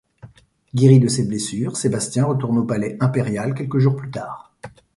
Guéri de ses blessures, Sébastien retourne au palais impérial quelques jours plus tard.